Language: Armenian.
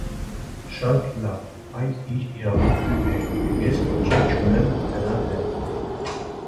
Շատ լավ, այդ իր իրավունքն է, և ես ոչինչ չունեմ դրա դեմ: